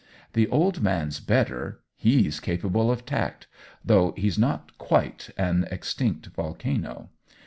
The old man's better — Ae^s capable of tact, though he's not quite an extinct volcano.